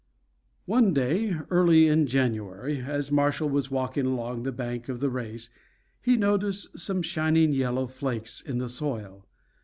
One day early in January, as Marshall was walking along the bank of the race, he noticed some shining yellow flakes in the soil.